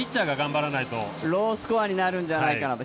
ロースコアになるんじゃないかと。